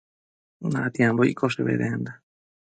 Natiambo iccoshe bedenda